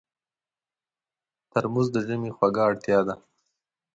ترموز د ژمي خوږه اړتیا ده.